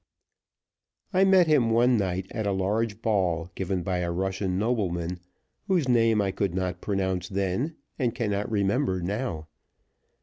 I met him one night at a large ball, given by a Russian nobleman, whose name I could not pronounce then, and cannot remember now.